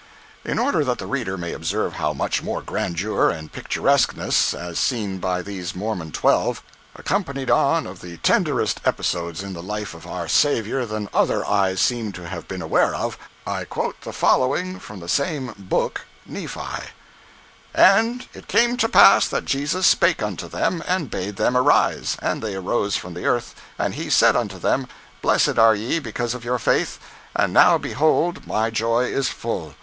In order that the reader may observe how much more grandeur and picturesqueness (as seen by these Mormon twelve) accompanied on of the tenderest episodes in the life of our Saviour than other eyes seem to have been aware of, I quote the following from the same "book"—Nephi: And it came to pass that Jesus spake unto them, and bade them arise. And they arose from the earth, and He said unto them, Blessed are ye because of your faith. And now behold, My joy is full.